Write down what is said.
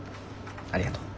ありがとう。